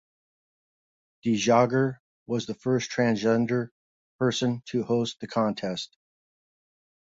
De Jager was the first transgender person to host the contest.